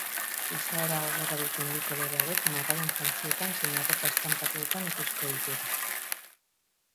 Izaera gogorra duten bi kolore hauek marradun jantzietan zein arropa estanpatuetan ikusiko ditugu.